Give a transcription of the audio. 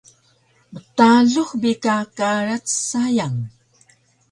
mtalux bi ka karac sayang